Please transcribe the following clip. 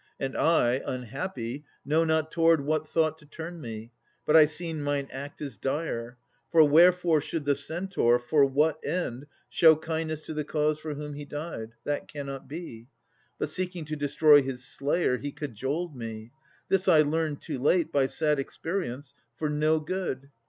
And I, unhappy, know not toward what thought To turn me, but I see mine act is dire. For wherefore should the Centaur, for what end, Show kindness to the cause for whom he died? That cannot be. But seeking to destroy His slayer, he cajoled me. This I learn Too late, by sad experience, for no good.